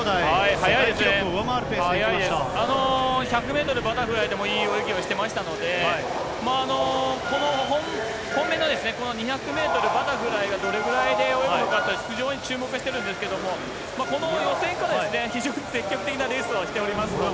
世界記録を上回るペースでき１００メートルバタフライでもいい泳ぎをしてましたので、本命のこの２００メートルバタフライがどれぐらいで泳ぐのかというのを非常に注目してるんですけども、この予選から非常に積極的なレースをしておりますので。